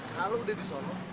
kalau udah di sana